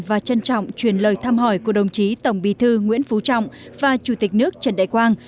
và trân trọng truyền lời thăm hỏi của đồng chí tổng bí thư nguyễn phú trọng và chủ tịch nước trần đại quang